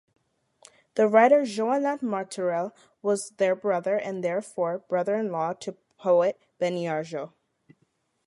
The writer Joanot Martorell was their brother and, therefore, brother-in-law to the poet Beniarjó.